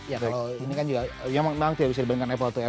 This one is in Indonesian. ya kalau ini kan juga memang tidak bisa dibandingkan apple to apple